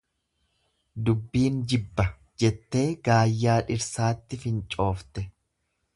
Dubbiin jibba jettee gaayyaa dhirsaatti fincoofte.